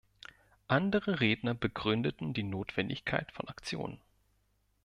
Andere Redner begründeten die Notwendigkeit von Aktionen.